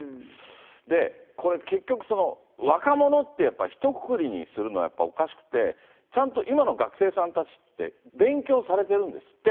これ、結局、若者ってやっぱひとくくりにするのはやっぱおかしくて、ちゃんと今の学生さんたちって勉強されてるんですって。